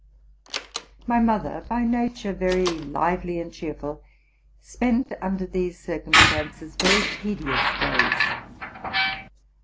My mother, by nature very lively and dHeawtar spent under these circumstances very tedious days.